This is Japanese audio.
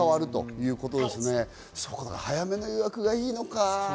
早めの予約がいいのか。